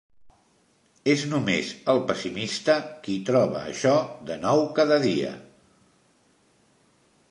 És només el pessimista qui troba això de nou cada dia.